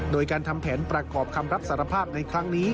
โดยการทำแผนประกอบคำรับสารภาพในครั้งนี้